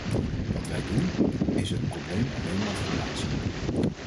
Wat wij doen, is het probleem alleen maar verplaatsen.